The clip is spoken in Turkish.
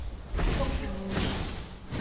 Çok yanlış.